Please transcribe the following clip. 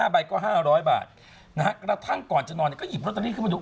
ใบก็๕๐๐บาทนะฮะกระทั่งก่อนจะนอนก็หยิบลอตเตอรี่ขึ้นมาดู